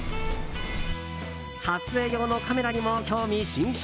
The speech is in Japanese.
撮影用のカメラにも興味津々。